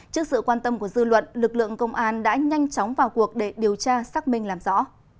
trước sự quan tâm của dư luận lực lượng công an đã nhanh chóng vào cuộc để điều tra xác minh làm rõ